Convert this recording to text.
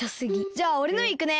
じゃあおれのいくね。